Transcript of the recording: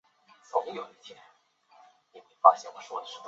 长尾景信是室町时代中期武将。